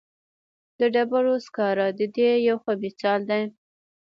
د ډبرو سکاره د دې یو ښه مثال دی.